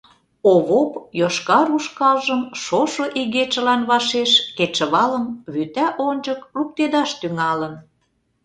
Овоп йошкар ушкалжым шошо игечылан вашеш кечывалым вӱта ончык луктедаш тӱҥалын.